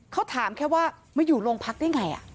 เขาถามแค่ว่ามาอยู่โรงพักได้ไง